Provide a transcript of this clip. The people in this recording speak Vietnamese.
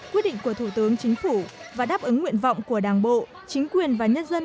quyết định của thủ tướng chính phủ và đáp ứng nguyện vọng của đảng bộ chính quyền và nhân dân